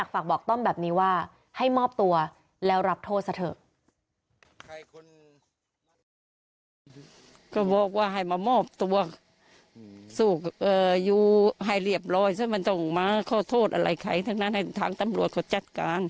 ก็บอกก็ว่าให้มามอบตัวก